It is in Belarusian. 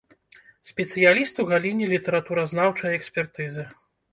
Спецыяліст у галіне літаратуразнаўчай экспертызы.